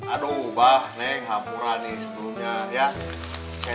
aduh neng abang abang sudah selesai